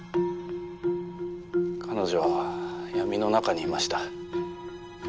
彼女は闇の中にいました。